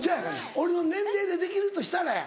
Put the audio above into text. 俺の年齢でできるとしたらや。